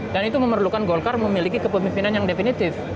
dan itu memerlukan golkar memiliki kepemimpinan yang definitif